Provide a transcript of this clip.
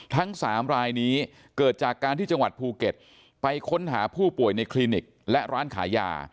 ทั้ง๓รายนี้เกิดจากการที่จังหวัดภูเก็ตไปค้นหาผู้ป่วยในคลินิกและร้านขายยา